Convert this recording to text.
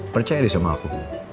percaya deh sama aku